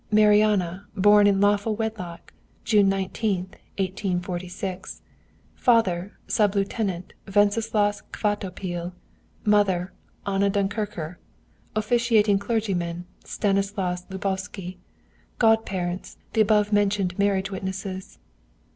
'Marianna, born in lawful wedlock, June 19th, 1846. Father: Sub Lieutenant Wenceslaus Kvatopil. Mother: Anna Dunkircher. Officiating clergyman: Stanislaus Lubousky. Godparents: the above mentioned marriage witnesses.'